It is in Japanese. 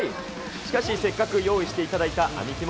しかし、せっかく用意していただいた網肝串。